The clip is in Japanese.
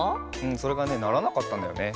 んそれがねならなかったんだよね。